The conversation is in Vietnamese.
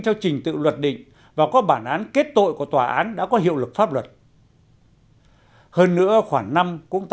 theo trình tự luật định và có bản án kết tội của tòa án đã có hiệu lực pháp luật hơn nữa khoảng năm